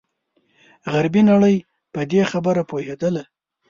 غربي نړۍ په دې خبره پوهېدله.